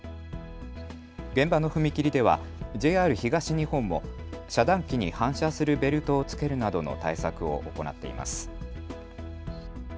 現場の踏切ではＪＲ東日本も遮断機に反射するベルトを付けるなどの対策を行っています。